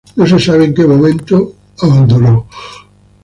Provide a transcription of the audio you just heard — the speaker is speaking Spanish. No se sabe en que momento de abandonó.